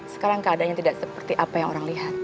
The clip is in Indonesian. sekarang keadaannya tidak seperti apa yang orang lihat